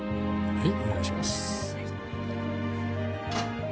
はい。